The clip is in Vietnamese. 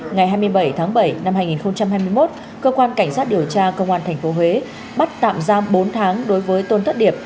ngày hai mươi bảy tháng bảy năm hai nghìn hai mươi một cơ quan cảnh sát điều tra công an tp huế bắt tạm giam bốn tháng đối với tôn thất điệp